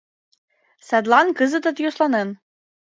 Садлан кызытат йӧсланен.